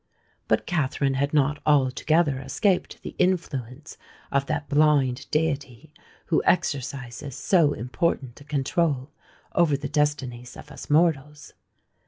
But Katherine had not altogether escaped the influence of that blind deity who exercises so important a control over the destinies of us mortals.